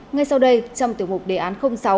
ngay sau đây trong tiểu hục đề án sáu